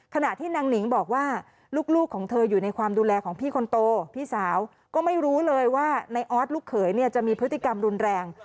ขณะที่นางหนิงบอกว่าลูกของเธออยู่ในความดูแลของพี่คนโตพี่สาวก็ไม่รู้เลยว่าในออสลูกเขยเนี่ยจะมีพฤติกรรมรุนแรง